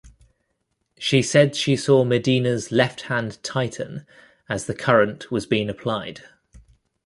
She said she saw Medina's left hand tighten as the current was being applied.